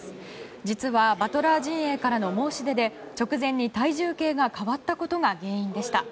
実はバトラー陣営からの申し出で直前に体重計が変わったことが原因でした。